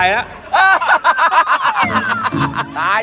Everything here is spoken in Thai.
ตายตายตาย